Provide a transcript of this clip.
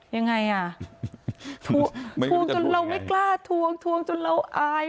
ยังไงอ่ะทวงจนเราไม่กล้าทวงทวงจนเราอาย